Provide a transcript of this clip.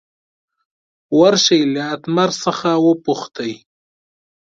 ور شئ له اتمر څخه وپوښتئ.